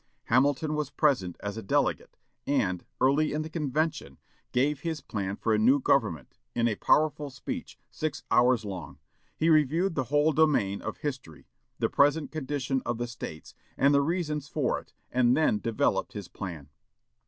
Hamilton was present as a delegate, and, early in the convention, gave his plan for a new government, in a powerful speech, six hours long. He reviewed the whole domain of history, the present condition of the States, and the reasons for it, and then developed his plan.